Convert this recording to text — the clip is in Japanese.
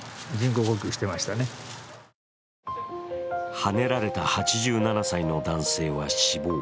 はねられた８７歳の男性は死亡。